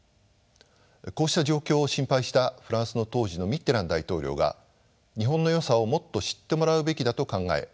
こうした状況を心配したフランスの当時のミッテラン大統領が日本のよさをもっと知ってもらうべきだと考え